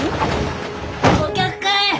お客かい？